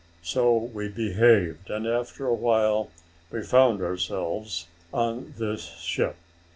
So we behaved, and, after a while, we found ourselves on this ship."